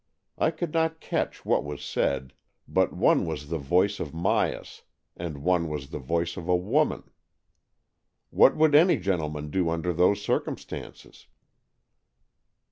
I could not catch what was said; but one was the voice of Myas, and one was the voice of a woman. What would any gentleman do under those circum stances?